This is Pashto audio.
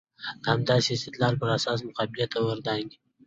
د همداسې استدلال پر اساس مقابلې ته ور دانګي.